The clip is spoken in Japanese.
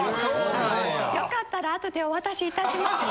よかったら後でお渡し致しますね。